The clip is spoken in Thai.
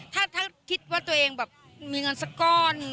ถ้าคิดว่าตัวเองแบบมีเงินสักก้อน